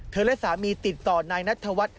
และสามีติดต่อนายนัทธวัฒน์